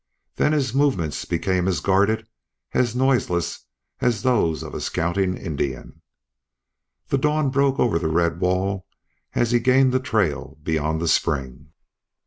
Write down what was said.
Then his movements became as guarded, as noiseless as those of a scouting Indian. The dawn broke over the red wall as he gained the trail beyond the spring.